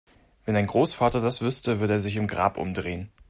Wenn dein Großvater das wüsste, würde er sich im Grab umdrehen!